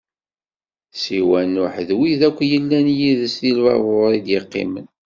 Siwa Nuḥ d wid akk yellan yid-s di lbabuṛ i d-iqqimen.